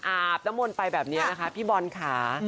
อาบน้ำมนต์ไปแบบนี้นะคะพี่บอลค่ะ